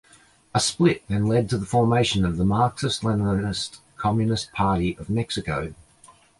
A split then led to the formation of the Marxist-Leninist Communist Party of Mexico.